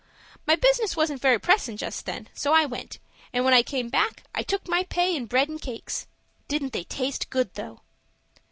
My business wasn't very pressin' just then, so I went, and when I come back, I took my pay in bread and cakes. Didn't they taste good, though?"